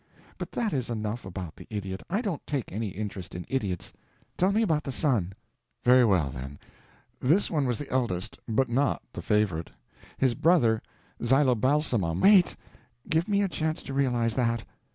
But that is enough about the idiot, I don't take any interest in idiots; tell me about the son." "Very well, then, this one was the eldest, but not the favorite. His brother, Zylobalsamum—" "Wait—give me a chance to realize that.